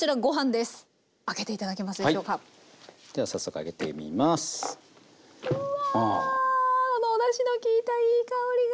あのおだしの利いたいい香りが！